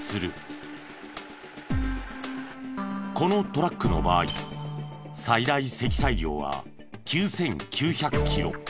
このトラックの場合最大積載量は９９００キロ。